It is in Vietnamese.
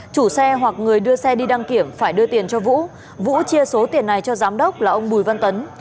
chủ xe hoặc người đưa xe đi đăng kiểm phải đưa tiền cho vũ vũ chia số tiền này cho giám đốc là ông bùi văn tấn